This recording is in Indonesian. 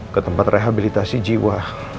ke tempat rehabilitasi jiwa